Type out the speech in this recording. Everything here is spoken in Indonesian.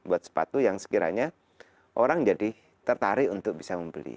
buat sepatu yang sekiranya orang jadi tertarik untuk bisa membeli